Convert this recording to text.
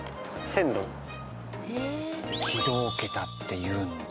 軌道桁っていうんだ。